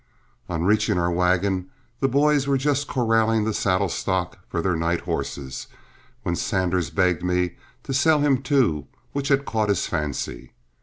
On reaching our wagon, the boys were just corralling the saddle stock for their night horses, when Sanders begged me to sell him two which had caught his fancy.